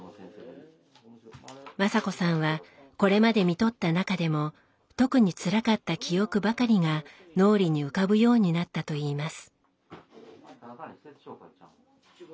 雅子さんはこれまでみとった中でも特につらかった記憶ばかりが脳裏に浮かぶようになったといいます。